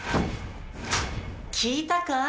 聞いたかい？